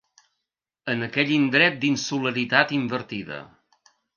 En aquell indret d'insularitat invertida.